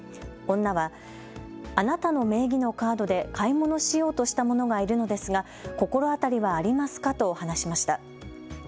女は、あなたの名義のカードで買い物しようとした者がいるのですが、心当たりはありますかと話しました。